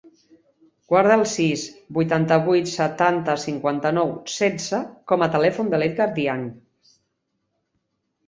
Guarda el sis, vuitanta-vuit, setanta, cinquanta-nou, setze com a telèfon de l'Edgar Diagne.